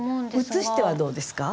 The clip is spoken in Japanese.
「映して」はどうですか？